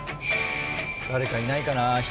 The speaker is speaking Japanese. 誰かいないかな人。